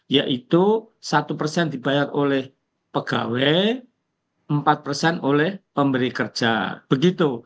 yaitu satu persen dibayar oleh pegawai empat persen oleh pemberi kerja begitu